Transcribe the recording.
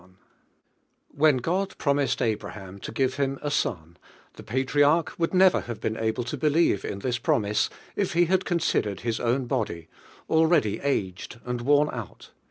WHEN (Jod promised Abraham lo give him a son, the patriarch would never Ikivc I n al>!c to believe in this promise if he had considered his own body, already aged and worn out.